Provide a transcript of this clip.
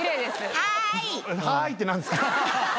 「はーい」ってなんですか？